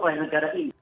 oleh negara ini